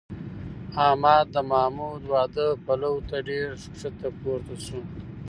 احمد د محمود د واده پلو ته ډېر ښکته پورته شو